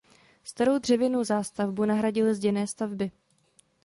Starou dřevěnou zástavbu nahradily zděné stavby.